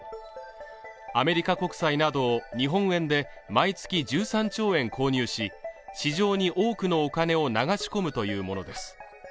アメリカ国債など日本円で毎月１３兆円購入し市場に多くのお金を流し込むというものです